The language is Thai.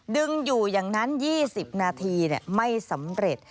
ดึงอยู่อย่างนั้น๒๐นาทีไม่สำเร็จ